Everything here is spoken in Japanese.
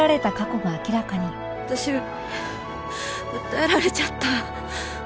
私訴えられちゃった。